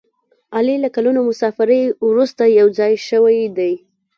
علي له کلونو مسافرۍ ورسته په ځای شوی دی.